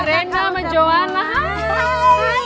eh tuh kakak udah pulang